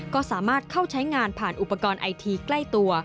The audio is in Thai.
ก็สามารถเข้าใช้งานผ่านอุปกรณ์ไอทีใกล้ตัว